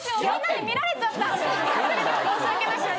みんなに見られちゃった！